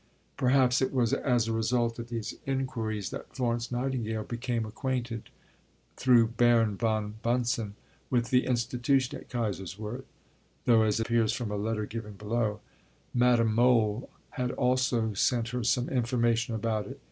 Perhaps it was as a result of these inquiries that Florence Nightingale became acquainted, through Baron von Bunsen, with the institution at Kaiserswerth; though, as appears from a letter given below, Madame Mohl had also sent her some information about it.